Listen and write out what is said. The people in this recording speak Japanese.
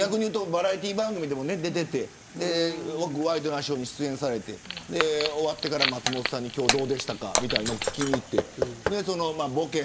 バラエティーに出ててワイドナショーに出演されて終わってから松本さんに今日どうでしたかみたいなのを聞きに行ってボケ